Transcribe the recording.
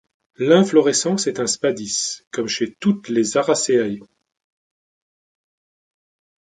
L'inflorescence est un spadice, comme chez toutes les Araceae.